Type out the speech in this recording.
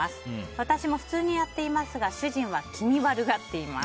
私も普通にやっていますが主人は気味悪がっています。